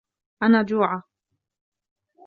أنا جوعى.